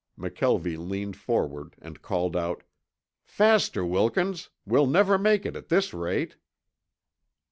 McKelvie leaned forward and called out, "Faster, Wilkins. We'll never make it at this rate."